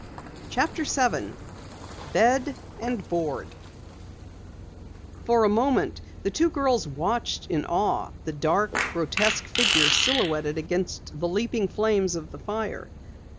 CHAPTER 7 BED AND BOARD For a moment the two girls watched in awe the dark, grotesque figure silhouetted against the leaping flames of the fire.